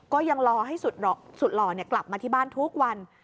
ก็ยังรอให้สุดหล่อกลับมาที่บ้านทุกวัน